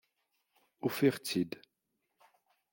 Ufiɣ-tt-id.